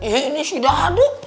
ini si dadu